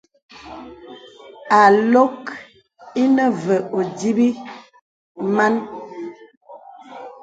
Ālok inə və ódǐbī mān.